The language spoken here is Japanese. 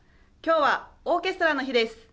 今日はオーケストラの日です。